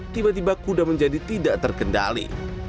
tiba tiba kuda menjadi tidak terkendali